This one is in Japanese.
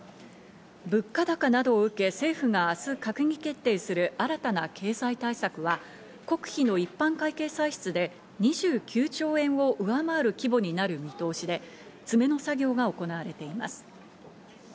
物価高などを受け、政府が明日、閣議決定する新たな経済対策は国費の一般会計歳出で２９兆円を上回る規模になる見通しで、詰めの作業が行われています。